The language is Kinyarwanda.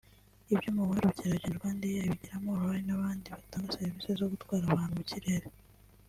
Ibyo mubona by’ubukerarugendo RwandAir ibigiramo uruhare n’abandi batanga serivisi zo gutwara abantu mu kirere